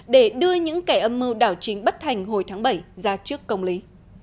để đưa những kẻ âm mưu đảo chính bất thành hồi tháng bảy ra trước công lý